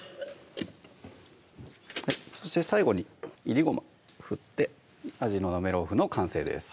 そして最後にいりごま振って「アジのなめろう風」の完成です